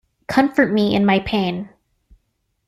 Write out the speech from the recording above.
Comfort me in my pain.